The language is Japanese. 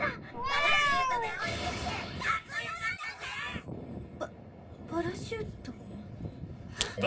パパラシュート？